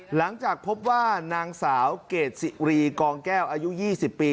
หลังจากพบว่านางสาวเกรดสิรีกองแก้วอายุ๒๐ปี